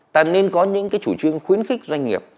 ta nên có những cái chủ trương khuyến khích doanh nghiệp